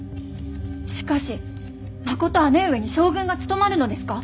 しかしまこと姉上に将軍がつとまるのですか？